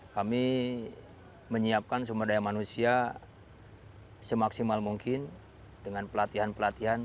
kami menyiapkan sumber daya manusia semaksimal mungkin dengan pelatihan pelatihan